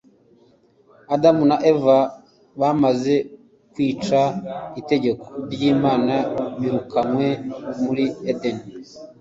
Adamu na Eva bamaze kwica itegeko ry'Imana birukanywe muri Edeni.